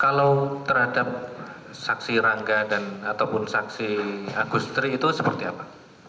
kalau terhadap saksi rangga dan ataupun saksi agustri itu seperti apa